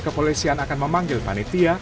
kepolisian akan memanggil panitia